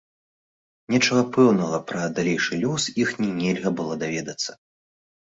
Нечага пэўнага пра далейшы лёс іхні нельга было даведацца.